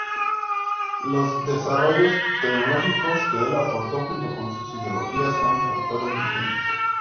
Los desarrollos tecnológicos que el aporto, junto con sus ideologías, son factores vigentes.